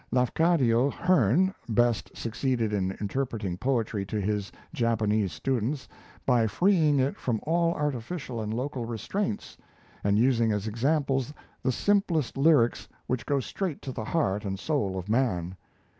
Lafcadio Hearn best succeeded in interpreting poetry to his Japanese students by freeing it from all artificial and local restraints, and using as examples the simplest lyrics which go straight to the heart and soul of man.